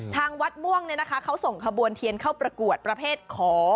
ทางวัดม่วงเขาส่งขบวนเทียนเข้าประกวดประเภทขอ